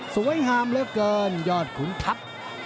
สวยงามเหลือเกินยอดขุนทัพ